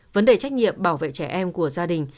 vấn đề trách nhiệm bảo vệ trẻ em của gia đình